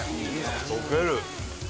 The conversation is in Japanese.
「溶ける」